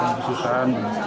ini sih sebentar ya